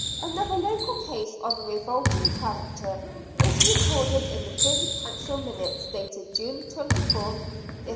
Another local case of a revolting character is recorded in the Privy Council minutes dated June 24th, 1596.